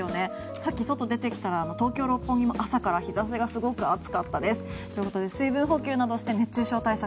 さっき外に出たら東京・六本木も朝から日差しがすごく暑かったので水分補給などをして熱中症対策